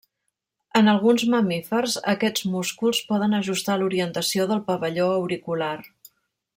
En alguns mamífers aquests músculs poden ajustar l'orientació del pavelló auricular.